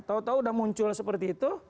tahu tahu udah muncul seperti itu